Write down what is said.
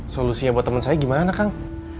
solusinya buat teman saya gimana kang